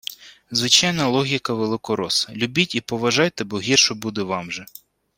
Звичайна логіка великороса: любіть і поважайте, бо гірше буде вам же